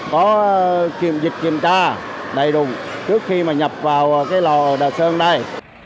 có dịch kiểm tra đầy đủ trước khi mà nhập vào cái lò đà sơn đây